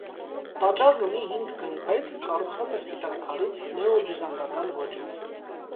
Տաճարն ունի հինգ գմբեթ, կառուված է սպիտակ քարից՝ նեոբյուզանդական ոճով։